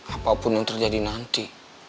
apapun yang terjadi nanti